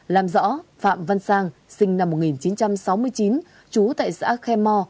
làm rõ phạm văn sang sinh năm một nghìn chín trăm sáu mươi chín chú tại xã khe mo